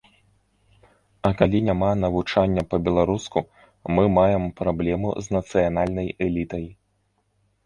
А калі няма навучання па-беларуску, мы маем праблему з нацыянальнай элітай.